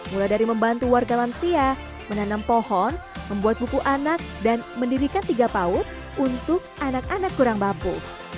mulai dari membantu warga lansia menanam pohon membuat buku anak dan mendirikan tiga paut untuk anak anak kurang bapu